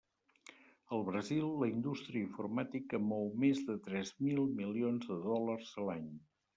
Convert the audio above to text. Al Brasil, la indústria informàtica mou més de tres mil milions de dòlars a l'any.